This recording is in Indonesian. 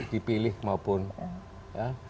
dipilih maupun ya